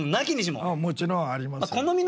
もちろんありますよ。